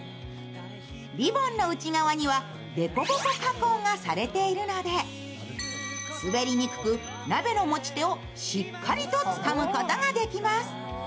リボンの内側にはでこぼこ加工がされているので滑りにくく、鍋の持ち手をしっかりとつかむことができます。